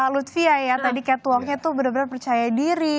lutfiah ya tadi kayak tuangnya tuh bener bener percaya diri